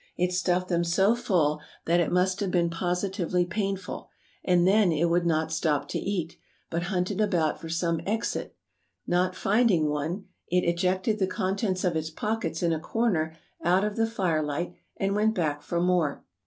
It stuffed them so full that it must have been positively painful, and then it would not stop to eat, but hunted about for some exit; not finding one, it ejected the contents of its pockets in a corner out of the firelight and went back for more.